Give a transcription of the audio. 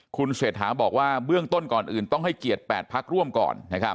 คุณเศรษฐาบอกว่าเบื้องต้นก่อนอื่นต้องให้เกียรติ๘พักร่วมก่อน